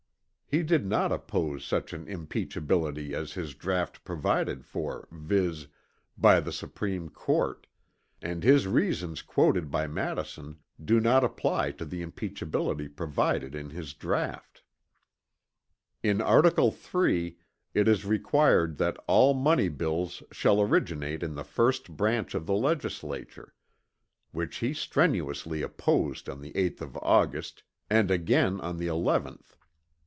He did not oppose such an impeachability as his draught provided for viz., by the Supreme Court, and his reasons quoted by Madison do not apply to the impeachability provided in his draught. "In article III it is required that all money bills shall originate in the first branch of the legislature; which he strenuously opposed on the 8th of August and again on the 11th."